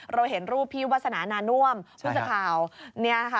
เราเห็นรูปพี่วัฒนาน่าเนื่อม